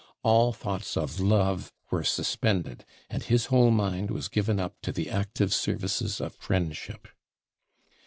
All thoughts of love were suspended, and his whole mind was given up to the active services of friendship.